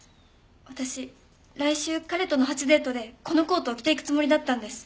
私来週彼との初デートでこのコートを着ていくつもりだったんです。